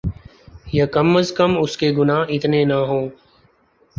یاکم ازکم اس کے گناہ اتنے نہ ہوں۔